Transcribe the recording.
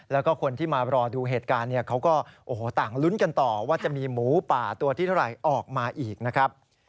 แล้วก็คนที่มารอดูเหตุการณ์เนี่ยเขาก็โอ้โหต่างลุ้นกันต่อว่าจะมีหมูป่าตัวที่เท่าไหร่ออกมาอีกนะครับ